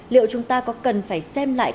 liệu chúng ta có cần phải xem lại